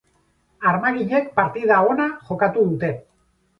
Armaginek partida ona jokatu dute.